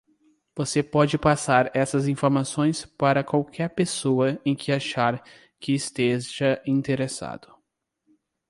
Você pode passar essas informações para qualquer pessoa em quem achar que esteja interessado.